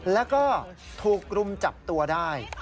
แล้วก็ถูกรุมจับตัวได้